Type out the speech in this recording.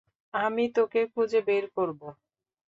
আমি তোকে খুঁজে বের করবো।